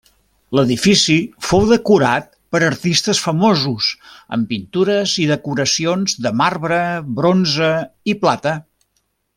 L'edifici fou decorat per artistes famosos amb pintures i decoracions de marbre, bronze i plata.